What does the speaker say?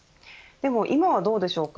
でも今はどうでしょうか。